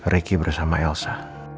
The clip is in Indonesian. riki bersama elsa